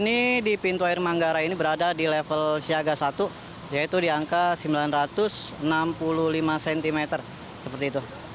ini di pintu air manggarai ini berada di level siaga satu yaitu di angka sembilan ratus enam puluh lima cm seperti itu